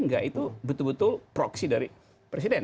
enggak itu betul betul proksi dari presiden